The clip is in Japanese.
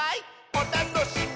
おたのしみ！」